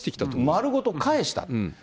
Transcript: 丸ごと返した。